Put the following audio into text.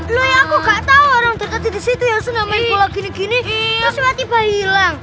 loh ya aku gak tau orang terkati di situ yang senang main bola gini gini terus tiba tiba ilang